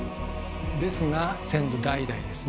ですが先祖代々ですね